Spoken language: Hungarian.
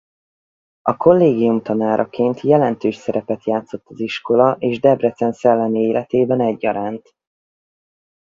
A kollégium tanáraként jelentős szerepet játszott az iskola és Debrecen szellemi életében egyaránt.